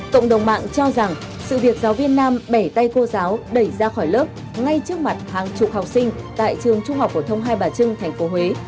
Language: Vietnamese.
cộng đồng mạng cho rằng sự việc giáo viên nam bẻ tay cô giáo đẩy ra khỏi lớp ngay trước mặt hàng chục học sinh tại trường trung học phổ thông hai bà trưng tp huế